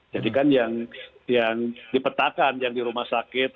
jadi kan yang dipetakan yang di rumah sakit